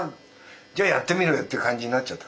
じゃあやってみろよって感じになっちゃった。